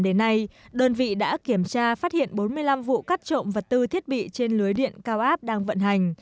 đến nay đơn vị đã kiểm tra phát hiện bốn mươi năm vụ cắt trộm vật tư thiết bị trên lưới điện cao áp đang vận hành